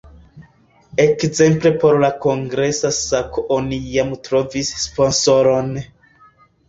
Ekzemple por la kongresa sako oni jam trovis sponsoron.